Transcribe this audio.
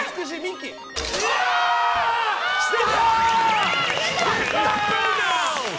きた！